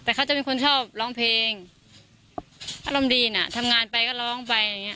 แต่เขาจะเป็นคนชอบร้องเพลงอารมณ์ดีน่ะทำงานไปก็ร้องไปอย่างเงี้